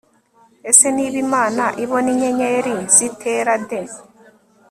ese niba imana ibona inyenyeri zitera de